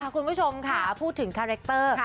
คุณผู้ชมค่ะพูดถึงคาแรคเตอร์